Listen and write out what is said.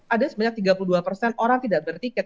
ada sebanyak tiga puluh dua persen orang tidak bertiket